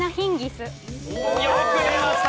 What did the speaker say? よく出ました